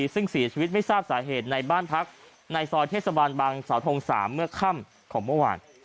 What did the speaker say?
ซึ่งเสียชีวิตไม่ทราบสาเหตุในบ้านพักในซอยเทศบาลบังสาวทง๓เมื่อค่ำของเมื่อวาน